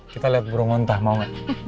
kita liat burung ontah mau gak